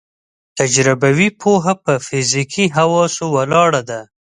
تجربوي پوهه په فزیکي حواسو ولاړه ده.